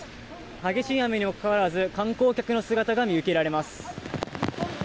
激しい雨にもかかわらず観光客の姿が見受けられます。